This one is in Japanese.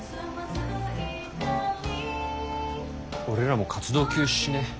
俺らも活動休止しね？